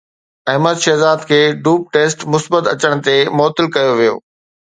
احمد شهزاد کي dope test مثبت اچڻ تي معطل ڪيو ويو